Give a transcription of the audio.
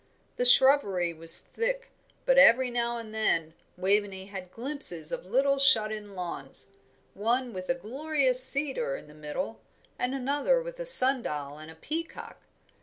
The shrubbery was thick, but every now and then Waveney had glimpses of little shut in lawns, one with a glorious cedar in the middle, and another with a sundial and peacock.